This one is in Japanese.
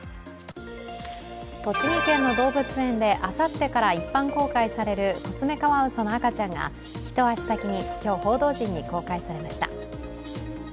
栃木県の動物園であさってから一般公開されるコツメカワウソの赤ちゃんが一足先に今日、報道陣に公開されました。